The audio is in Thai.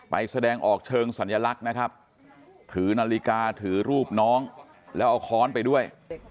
แสดงออกเชิงสัญลักษณ์นะครับถือนาฬิกาถือรูปน้องแล้วเอาค้อนไปด้วย